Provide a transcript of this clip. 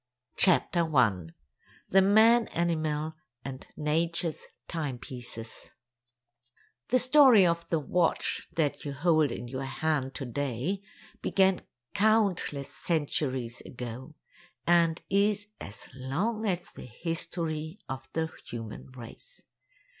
CHAPTER ONE The Man Animal and Nature's Timepieces The story of the watch that you hold in your hand to day began countless centuries ago, and is as long as the history of the human race.